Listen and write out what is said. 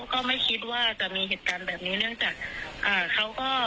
ก็ไม่คิดว่าจะมีเหตุการณ์แบบนี้เนื่องจาก